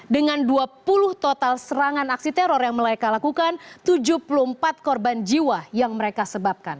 dengan dua puluh total serangan aksi teror yang mereka lakukan tujuh puluh empat korban jiwa yang mereka sebabkan